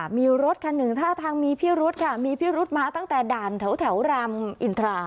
มีรถคันหนึ่งท่าทางมีพิรุธค่ะมีพิรุธมาตั้งแต่ด่านแถวรามอินทรา